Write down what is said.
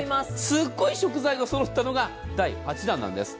すごい食材が揃ったのが第８弾なんです。